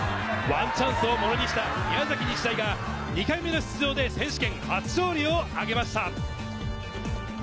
ワンチャンスをものにした宮崎日大が２回目の出場で選手権初勝利をあげました。